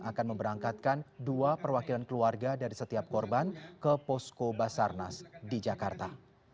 akan memberangkatkan dua perwakilan keluarga dari setiap korban ke posko basarnas di jakarta